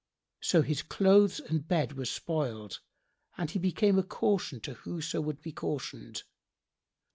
So his clothes and bed were spoiled and he became a caution to whoso will be cautioned.